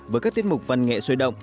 với các tiết mục văn nghệ xuôi động